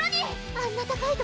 あんな高い所